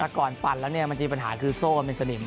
แต่ก่อนปันแล้วมันจะมีปัญหาคือโซ่เป็นสนิม